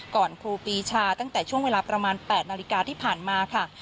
ครูปีชาตั้งแต่ช่วงเวลาประมาณ๘นาฬิกาที่ผ่านมาค่ะ